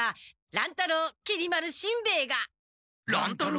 乱太郎きり丸しんべヱが？